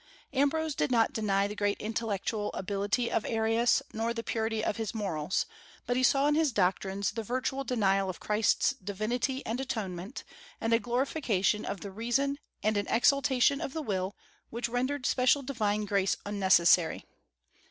Ambrose did not deny the great intellectual ability of Arius, nor the purity of his morals; but he saw in his doctrines the virtual denial of Christ's divinity and atonement, and a glorification of the reason, and an exaltation of the will, which rendered special divine grace unnecessary.